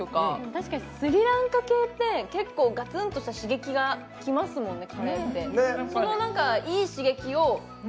確かにスリランカ系ってガツンとした刺激がきますもんね。